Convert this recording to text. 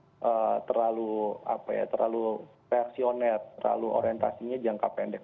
karena terlalu apa ya terlalu versionet terlalu orientasinya jangka pendek